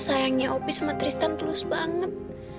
sayangnya opi sama tristan plus banget